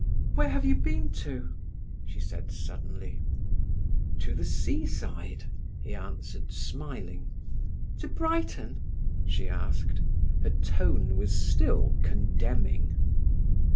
"Where have you been to?" she asked suddenly. "To the seaside," he answered, smiling. "To Brighton?" she asked. Her tone was still condemning.